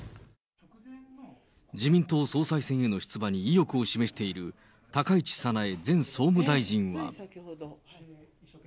自民党総裁選への出馬に意欲を示している、高市早苗前総務大臣は。